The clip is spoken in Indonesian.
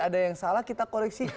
ada yang salah kita koreksi